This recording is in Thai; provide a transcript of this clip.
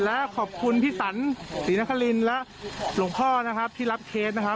และขอบคุณพี่สันศรีนครินและหลวงพ่อนะครับที่รับเคสนะครับ